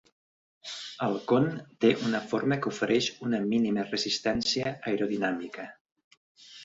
El con té una forma que ofereix una mínima resistència aerodinàmica.